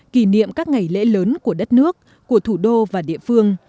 kỷ niệm các ngày lễ lớn của đất nước của thủ đô và địa phương